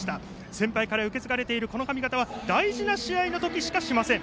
先輩から受け継がれているこの髪形は大事なときしかしません。